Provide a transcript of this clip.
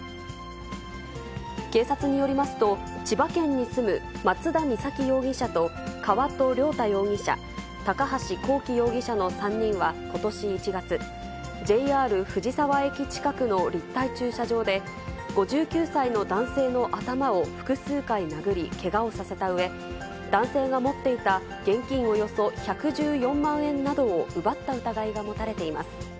警察によりますと、千葉県に住む、松田光左希容疑者と、川戸涼太容疑者、高橋洸揮容疑者の３人は、ことし１月、ＪＲ藤沢駅近くの立体駐車場で、５９歳の男性の頭を複数回殴り、けがをさせたうえ、男性が持っていた現金およそ１１４万円などを奪った疑いが持たれています。